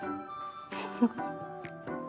フフフ。